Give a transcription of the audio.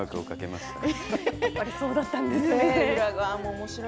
やっぱりそうだったんですね。